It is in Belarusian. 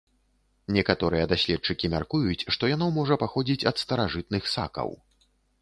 Некаторыя даследчыкі мяркуюць, што яно можа паходзіць ад старажытных сакаў.